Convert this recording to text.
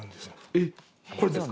えっ？